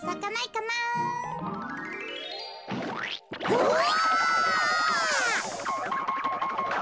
うわ！